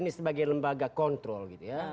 ini sebagai lembaga kontrol gitu ya